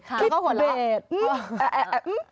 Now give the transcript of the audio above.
คลิกเบต